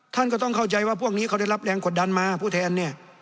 ท่านก็ต้องเข้าใจว่าพวกนี้เขาได้รับแรงกดดันมาผู้แทนเนี่ย